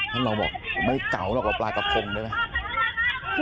น้องบอกไม่เก๋าเหรอกกว่าปลากาศกรมได้ไหม